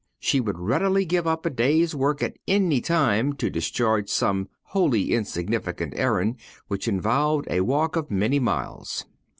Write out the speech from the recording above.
She would readily give up a day's work at any time to discharge some wholly insignificant errand which involved a walk of many miles.